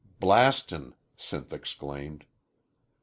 "Blastin'!" Sinth exclaimed.